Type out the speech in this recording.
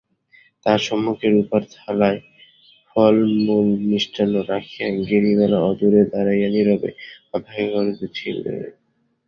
তাঁহার সম্মুখে রুপার থালায় ফলমূলমিষ্টান্ন রাখিয়া গিরিবালা অদূরে দাঁড়াইয়া নীরবে অপেক্ষা করিতেছিল।